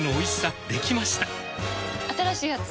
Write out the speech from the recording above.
新しいやつ？